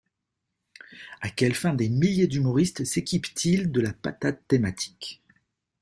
À quelle fin des milliers d'humoristes s'équipent-ils de la patate thématique?